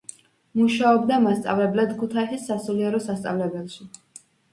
მუშაობდა მასწავლებლად ქუთაისის სასულიერო სასწავლებელში.